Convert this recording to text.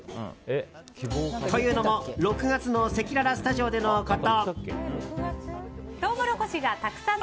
というのも６月のせきららスタジオでのこと。